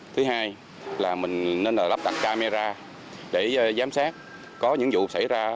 thứ hai là mình nên là lắp đặt camera để giám sát có những vụ xảy ra